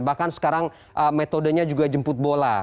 bahkan sekarang metodenya juga jemput bola